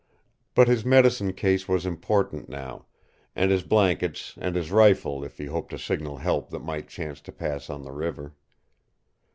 But his medicine case was important now, and his blankets, and his rifle if he hoped to signal help that might chance to pass on the river.